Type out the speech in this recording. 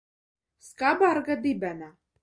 Skabarga dibenā.